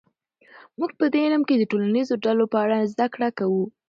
موږ په دې علم کې د ټولنیزو ډلو په اړه زده کړه کوو.